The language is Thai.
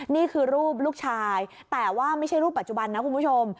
นี่คือรูปลูกชายแต่ว่าไม่ใช่รูปปัจจุบันนะคุณผู้ชม